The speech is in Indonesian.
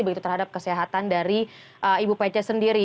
begitu terhadap kesehatan dari ibu pece sendiri